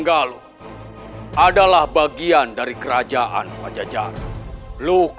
saya rasa ini membutuhkan buat karyak karyak